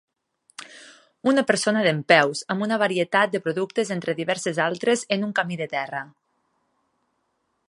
Una persona dempeus, amb una varietat de productes entre diverses altres en un camí de terra